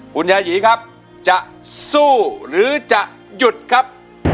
คุณยายีครับจะสู้หรือจะหยุดครับ